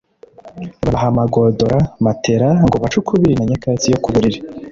babaha amagodora (Matelas) ngo bace ukubiri na nyakatsi yo ku buriri